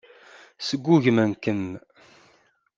Sgugmen-kem.